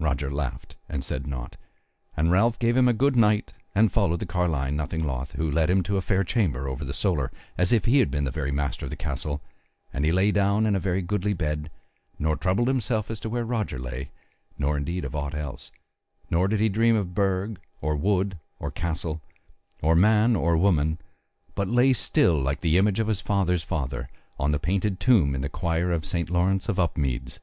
Roger laughed and said nought, and Ralph gave him good night, and followed the carline nothing loth, who led him to a fair chamber over the solar, as if he had been the very master of the castle, and he lay down in a very goodly bed, nor troubled himself as to where Roger lay, nor indeed of aught else, nor did he dream of Burg, or wood, or castle, or man, or woman; but lay still like the image of his father's father on the painted tomb in the choir of St. Laurence of Upmeads.